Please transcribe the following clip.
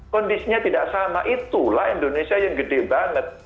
kondisinya tidak sama itulah indonesia yang gede banget